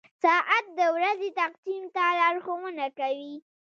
• ساعت د ورځې تقسیم ته لارښوونه کوي.